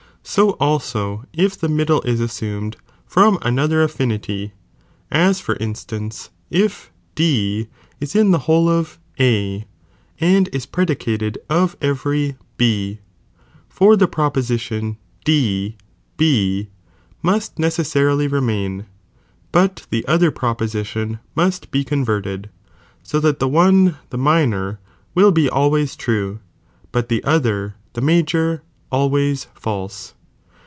* So also if the middle is assumed from another afBnity, as for instance, if D is in the whole of A, and is predicated of every B, for the proposition D B must necessarily remain,* but the other proposition must be eonvcrted,* so that the one (the minor) will be always true, but the other (the major) always false.